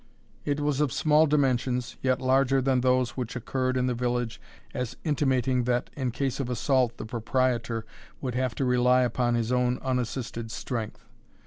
It was of small dimensions, yet larger than those which occurred in the village, as intimating that, in case of assault, the proprietor would have to rely upon his own unassisted strength.